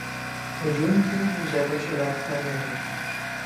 ہجوم کیوں ہے زیادہ شراب خانے میں